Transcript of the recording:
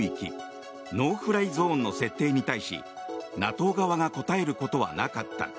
・フライ・ゾーンの設定に対しＮＡＴＯ側が答えることはなかった。